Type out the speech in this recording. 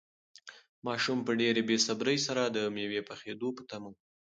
ماشوم په ډېرې بې صبري سره د مېوې پخېدو ته په تمه و.